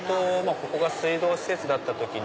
ここが水道施設だった時に。